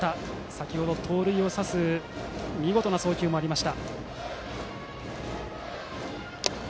先程は盗塁を刺す見事な送球がありました。